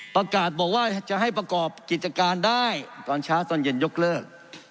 ประกาศบอกว่าจะให้ประกอบกิจการได้ตอนเช้าตอนเย็นยกเลิก